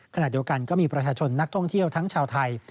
ขณะเดียวกันก็มีประชาชนนักท่องเที่ยวทั้งชาวไทย